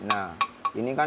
nah ini kan